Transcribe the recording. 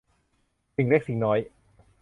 สิ่งเล็กสิ่งน้อย